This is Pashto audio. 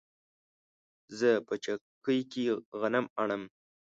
زه په چکۍ کې غنم اڼم